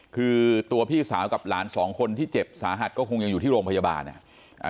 คือตัวพี่สาวกับหลานสองคนที่เจ็บสาหัสก็คงยังอยู่ที่โรงพยาบาลอ่ะ